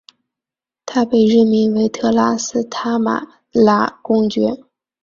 他被任命为特拉斯塔马拉公爵。